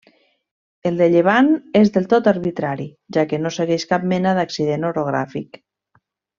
El de llevant és del tot arbitrari, ja que no segueix cap mena d'accident orogràfic.